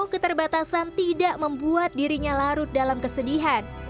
keterbatasan tidak membuat dirinya larut dalam kesedihan